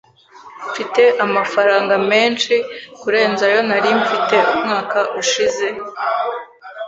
Mfite amafaranga menshi kurenza ayo nari mfite umwaka ushize.